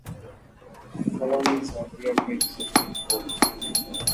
Felonies are heard by the Supreme Court.